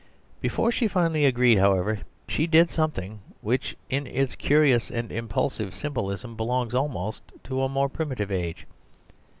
Before she finally agreed, however, she did something, which in its curious and impulsive symbolism, belongs almost to a more primitive age.